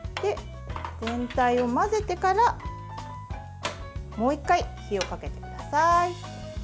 全体を混ぜてからもう１回、火をかけてください。